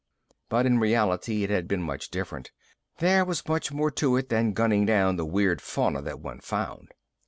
But, in reality, it had been much different. There was much more to it than gunning down the weird fauna that one found.